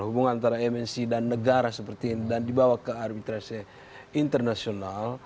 hubungan antara mnc dan negara seperti ini dan di bawah ke arbitrase internasional